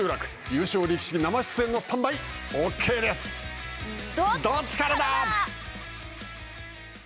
優勝力士生出演のスタンバイ、どっちからだ？